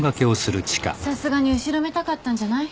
さすがに後ろめたかったんじゃない？